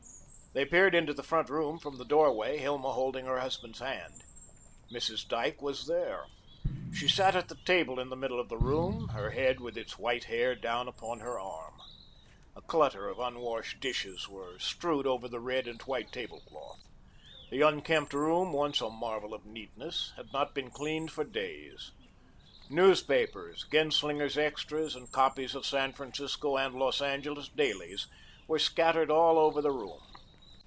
They peered into the front room from the doorway, Hilma holding her husband's hand. Mrs. Dyke was there. She sat at the table in the middle of the room, her head, with its white hair, down upon her arm. A clutter of unwashed dishes were strewed over the red and white tablecloth. The unkempt room, once a marvel of neatness, had not been cleaned for days. Newspapers, Genslinger's extras and copies of San Francisco and Los Angeles dailies were scattered all over the room.